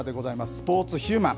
スポーツ×ヒューマン。